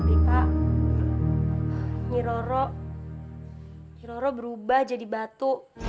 tapi pak nyiroro berubah jadi batu